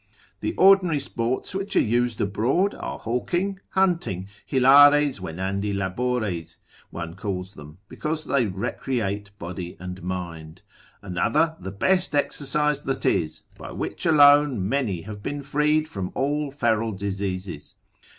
The ordinary sports which are used abroad are hawking, hunting, hilares venandi labores, one calls them, because they recreate body and mind, another, the best exercise that is, by which alone many have been freed from all feral diseases.